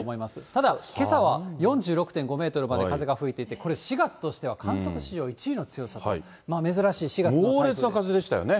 ただ、けさは４６．５メートルまで風が吹いていて、これ、４月としては、観測史上１位の強さと、猛烈な風でしたよね。